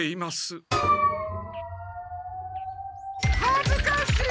はずかしい！